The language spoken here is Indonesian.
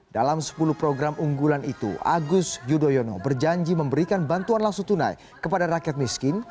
dalam sepuluh program unggulan itu agus yudhoyono berjanji memberikan bantuan langsung tunai kepada rakyat miskin